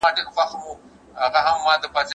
خطي نسخې د هېواد تاریخي پانګه ده.